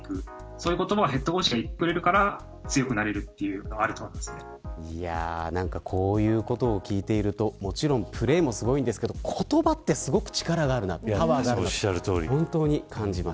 そういうことをヘッドコーチが言ってくれるから強くなれるというのがこういうことを聞いているともちろんプレーもすごいんですけど言葉ってすごく力があるなと思います。